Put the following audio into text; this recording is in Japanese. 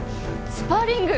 スパーリング？